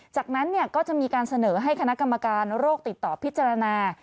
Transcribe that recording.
จากนั้นก็จะมีการเสนอให้คณะกรรมการโรคติดต่อพิจารณา